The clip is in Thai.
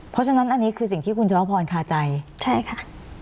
เพราะฉะนั้นอันนี้คือสิ่งที่คุณชวพรคาใจใช่ค่ะ